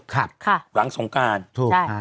ค่ะหลังสงการถูกค่ะ